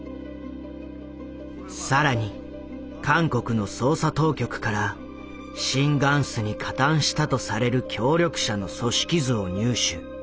更に韓国の捜査当局からシン・グァンスに加担したとされる協力者の組織図を入手。